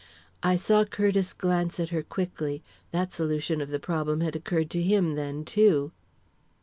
I saw Curtiss glance at her quickly. That solution of the problem had occurred to him, then, too!